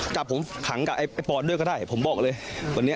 จับผมขังกับไอ้ปอนด้วยก็ได้ผมบอกเลยวันนี้